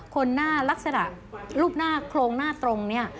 คนหน้าลักษณะรูปหน้าโครงหน้าตรงเนี่ย